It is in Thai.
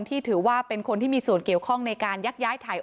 ถือว่าเป็นคนที่มีส่วนเกี่ยวข้องในการยักย้ายถ่าย